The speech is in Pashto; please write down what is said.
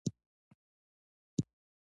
ساختماني ډیزاین بله برخه ده.